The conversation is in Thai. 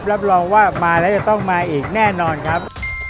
รับรองว่ามาแล้วจะต้องมาอีกแน่นอนครับ